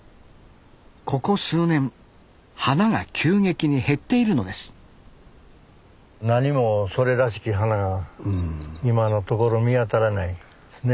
ここ数年花が急激に減っているのです何もそれらしき花が今のところ見当たらないですね。